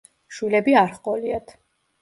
შვილები არ ჰყოლიათ.